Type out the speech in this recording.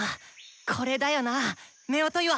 これだよな夫婦岩！